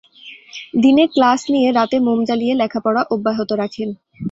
দিনে ক্লাশ নিয়ে রাতে মোম জ্বালিয়ে লেখাপড়া অব্যাহত রাখেন।